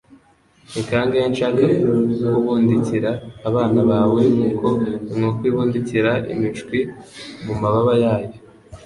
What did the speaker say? ni kangahe nshaka kubundikira abana bawe nkuko inkoko ibundikira imishwi mu mababa yayo;